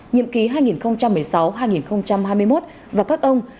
nhiệm ký hai nghìn một mươi sáu hai nghìn hai mươi một và các ông